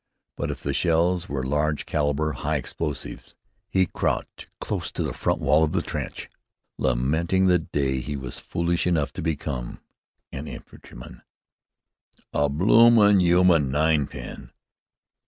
But if the shells were large caliber high explosives, he crouched close to the front wall of the trench, lamenting the day he was foolish enough to become an infantryman, "a bloomin' 'uman ninepin!"